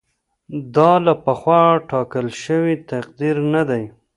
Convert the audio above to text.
دا له پخوا ټاکل شوی تقدیر نه دی.